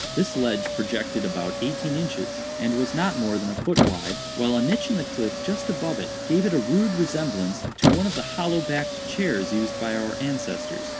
This ledge projected about eighteen inches, and was not more than a foot wide, while a niche in the cliff just above it gave it a rude resemblance to one of the hollow backed chairs used by our ancestors.